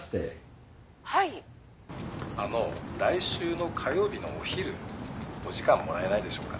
あの来週の火曜日のお昼お時間もらえないでしょうか？